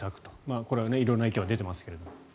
これは色んな意見が出ていますが。